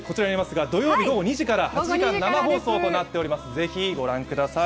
土曜日午後２時から８時間生放送となっております、もちろんご覧ください。